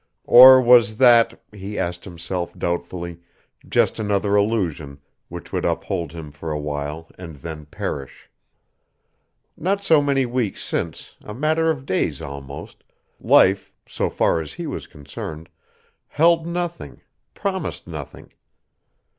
Or was that, he asked himself doubtfully, just another illusion which would uphold him for awhile and then perish? Not so many weeks since, a matter of days almost, life, so far as he was concerned, held nothing, promised nothing.